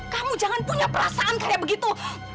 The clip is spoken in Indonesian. kamu jangan punya perasaan kayak begitu